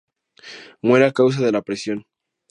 Muere a causa de la presión.